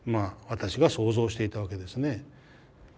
私は想像していたわけですね。